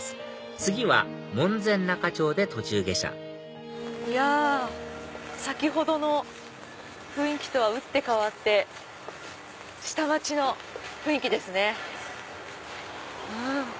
次は門前仲町で途中下車いや先ほどの雰囲気とは打って変わって下町の雰囲気ですね。